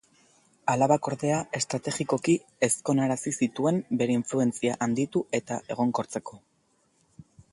Alabak ordea estrategikoki ezkonarazi zituen bere influentzia handitu eta egonkortzeko.